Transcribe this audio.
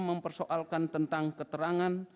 mempersoalkan tentang keterangan